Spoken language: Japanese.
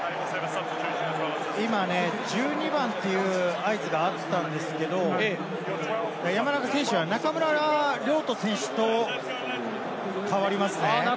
今、１２番という合図があったんですけれども、山中選手は中村亮土選手と代わりますね。